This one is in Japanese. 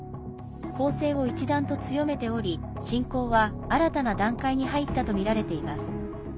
攻勢を一段と強めており侵攻は新たな段階に入ったとみられています。